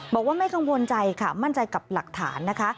บอกว่าไม่กังวลใจค่ะมั่นใจกับหลักฐานนะคะ